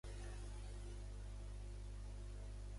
Les negociacions continuaren els mesos de desembre i gener.